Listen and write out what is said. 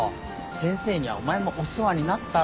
先生にはお前もお世話になったろ。